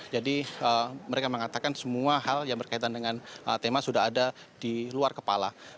mereka mengatakan semua hal yang berkaitan dengan tema sudah ada di luar kepala